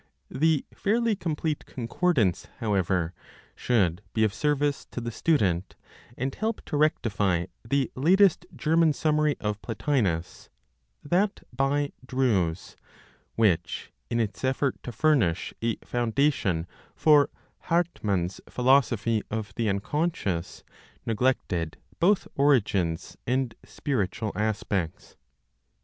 The fairly complete concordance, however, should be of service to the student, and help to rectify the latest German summary of Plotinos, that by Drews, which in its effort to furnish a foundation for Hartmann's philosophy of the unconscious, neglected both origins and spiritual aspects.